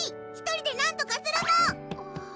１人でなんとかするもん！